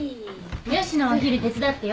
佳乃はお昼手伝ってよ。